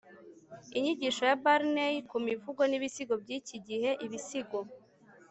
inyigisho ya blaney ku mivugo n'ibisigo by'iki gihe; ibisigo